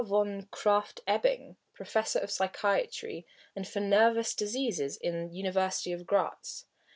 von Krafft Ebing, Professor of Psychiatry and for nervous diseases, in the University of Gratz.